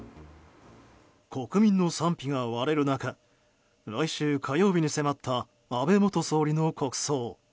国民の賛否が割れる中来週火曜日に迫った安倍元総理の国葬。